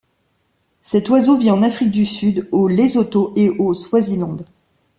Cet oiseau vit en Afrique du Sud, au Lesotho et au Swaziland.